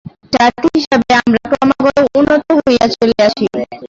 জাতি হিসাবে আমরা ক্রমাগত উন্নত হইয়া চলিয়াছি।